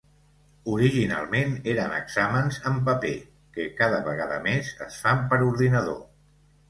Originalment eren exàmens en paper, que, cada vegada més, es fan per ordinador.